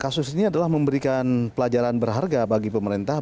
kasus ini adalah memberikan pelajaran berharga bagi pemerintah